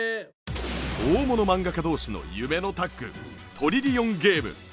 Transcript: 大物漫画家同士の夢のタッグ『トリリオンゲーム』。